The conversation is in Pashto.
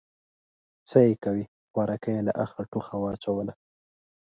_څه يې کوې، خوارکی يې له اخه ټوخه واچوله.